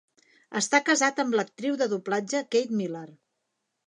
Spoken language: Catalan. Està casat amb l'actriu de doblatge Kate Miller.